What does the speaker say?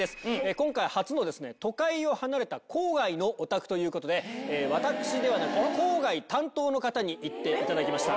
今回、初の都会を離れた郊外のお宅ということで、私ではなく、郊外担当の方に行っていただきました。